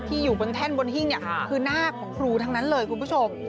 อยู่บนแท่นบนหิ้งเนี่ยคือหน้าของครูทั้งนั้นเลยคุณผู้ชม